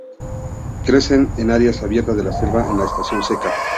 Crecen en áreas abiertas de la selva en la estación seca.